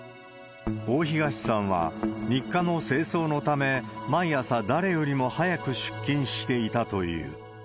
大東さんは、日課の清掃のため、毎朝誰よりも早く出勤していたという。